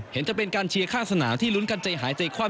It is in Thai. จะเป็นการเชียร์ข้างสนามที่ลุ้นกันใจหายใจคว่ำ